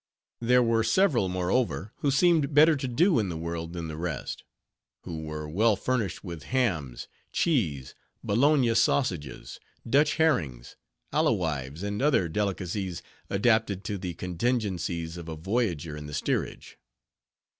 There were several, moreover, who seemed better to do in the world than the rest; who were well furnished with hams, cheese, Bologna sausages, Dutch herrings, alewives, and other delicacies adapted to the contingencies of a voyager in the steerage.